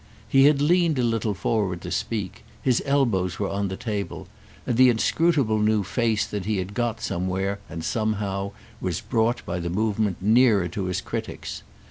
He had leaned a little forward to speak; his elbows were on the table; and the inscrutable new face that he had got somewhere and somehow was brought by the movement nearer to his critic's.